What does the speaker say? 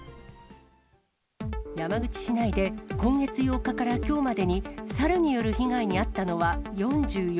山口市内で今月８日からきょうまでに、猿による被害に遭ったのは４４人。